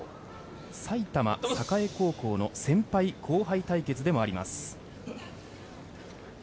埼玉栄高校の先輩・後輩対決でもあります。